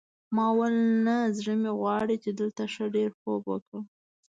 ما وویل نه زړه مې غواړي چې دلته ښه ډېر خوب وکړم.